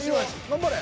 頑張れ。